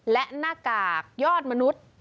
และหน้ากากยอดมนุษย์